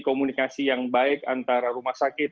komunikasi yang baik antara rumah sakit